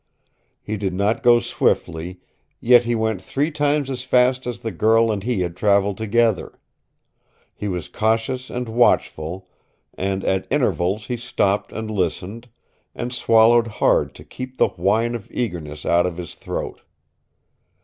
He did not go swiftly, yet he went three times as fast as the girl and he had traveled together. He was cautious and watchful, and at intervals he stopped and listened, and swallowed hard to keep the whine of eagerness out of his throat.